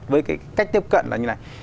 với cái cách tiếp cận là như thế này